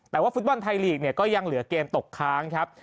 แต่ว่าฟุตบอลไทยลีกเนี่ยก็ยังเหลือเกมตกค้างครับ